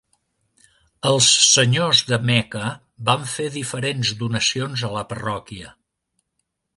Els senyors de Meca van fer diferents donacions a la parròquia.